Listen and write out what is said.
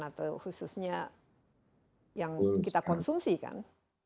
atau khususnya yang kita konsumsi kan